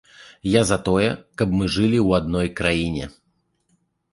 Я за тое, каб мы жылі ў адной краіне.